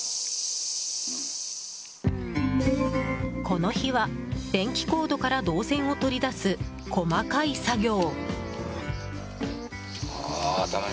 この日は、電気コードから銅線を取り出す細かい作業。